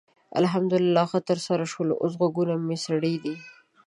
الحمدلله ښه ترسره شول؛ اوس غوږونه مې سړې دي.